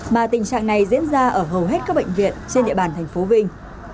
mà tình trạng này diễn ra ở hầu hết các bệnh viện trên địa bàn tp vinh